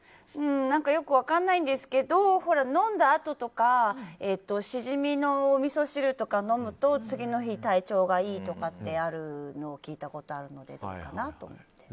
よく分からないんですけど飲んだあととかシジミのおみそ汁とか次の日体調がいいとかってあるのを聞いたことがあるので。